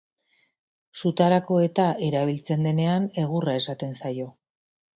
Sutarako-eta erabiltzen denean, egurra esaten zaio.